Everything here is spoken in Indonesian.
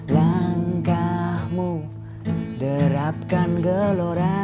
langkahmu derapkan gelora